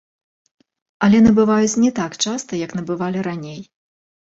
Але набываюць не так часта, як набывалі раней.